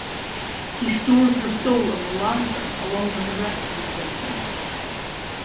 He stores her soul in the lantern along with the rest of his victims.